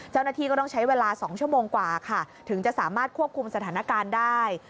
เจ้าหน้าที่ก็ต้องใช้เวลา๒ชั่วโมงกว่าค่ะถึงจะสามารถควบคุมสถานการณ์ได้